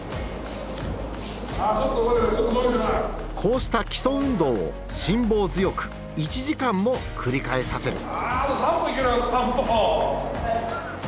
こうした基礎運動を辛抱強く１時間も繰り返させる。